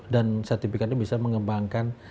dan sertifikatnya bisa mengembangkan